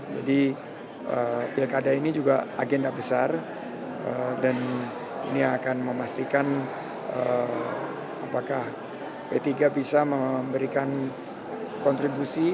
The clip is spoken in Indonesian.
jadi pilkada ini juga agenda besar dan ini akan memastikan apakah p tiga bisa memberikan kontribusi